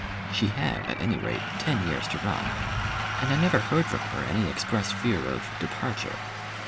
She had, at any rate, ten years to run, and I never heard from her any expressed fear of, departure.